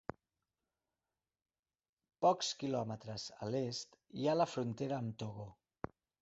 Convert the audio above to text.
Pocs quilòmetres a l'est hi ha la frontera amb Togo.